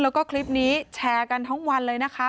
แล้วก็คลิปนี้แชร์กันทั้งวันเลยนะคะ